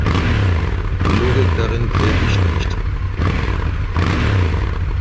Die Logik darin sehe ich nicht.